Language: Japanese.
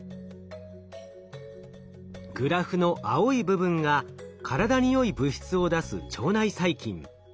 グラフの青い部分が体によい物質を出す腸内細菌。